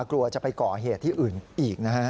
กลัวจะไปก่อเหตุที่อื่นอีกนะฮะ